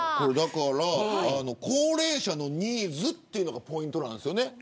だから高齢者のニーズっていうのがポイントなんですよね。